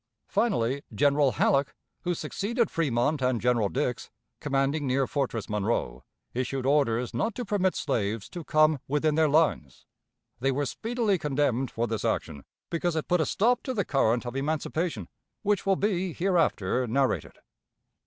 Finally, General Halleck, who succeeded Fremont, and General Dix, commanding near Fortress Monroe, issued orders not to permit slaves to come within their lines. They were speedily condemned for this action, because it put a stop to the current of emancipation, which will be hereafter narrated.